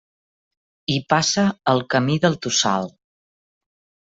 Hi passa el Camí del Tossal.